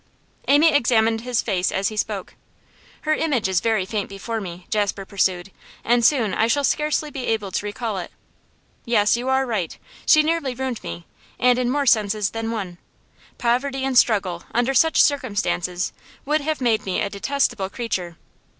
Amy examined his face as he spoke. 'Her image is very faint before me,' Jasper pursued, 'and soon I shall scarcely be able to recall it. Yes, you are right; she nearly ruined me. And in more senses than one. Poverty and struggle, under such circumstances, would have made me a detestable creature.